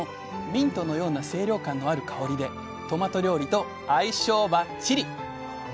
ミントのような清涼感のある香りでトマト料理と相性バッチリ！